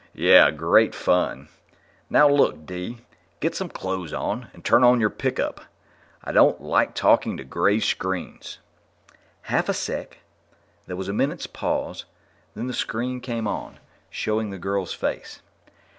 "Yeah, great fun. Now look, Dee, get some clothes on and turn on your pickup. I don't like talking to gray screens." "Half a sec." There was a minute's pause, then the screen came on, showing the girl's face.